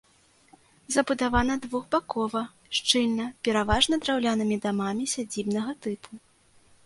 Забудавана двухбакова, шчыльна, пераважна драўлянымі дамамі сядзібнага тыпу.